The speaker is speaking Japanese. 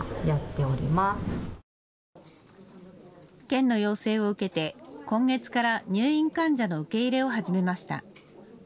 県の要請を受けて今月から入院患者の受け入れを始めました。